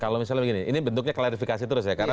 kalau misalnya begini ini bentuknya klarifikasi terus ya